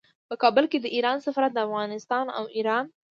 په کابل کې د ایران سفارت د افغانستان او ایران